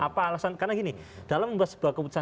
apa alasan karena gini dalam membuat sebuah keputusan